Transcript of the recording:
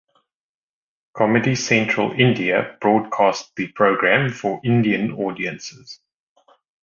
Comedy Central India broadcast the program for Indian audiences.